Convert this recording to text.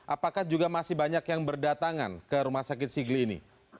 apakah juga masih banyak yang berdatangan ke rumah sakit sigli ini